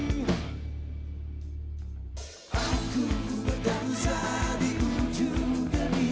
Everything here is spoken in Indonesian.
kupingan kembali untukmu